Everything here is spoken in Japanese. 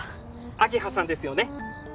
明葉さんですよね？